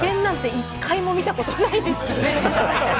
一回も見たことないですね。